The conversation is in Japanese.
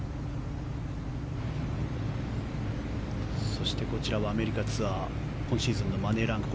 そして、こちらはアメリカツアー今シーズンのマネーランク